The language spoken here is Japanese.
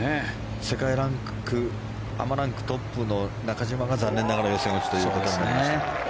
世界アマランクトップの中島が残念ながら予選落ちということになりました。